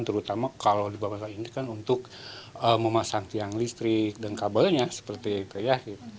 terutama kalau di bawah tanah ini kan untuk memasang tiang listrik dan kabelnya seperti itu ya